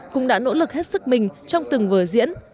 cũng đã nỗ lực hết sức mình trong từng vở diễn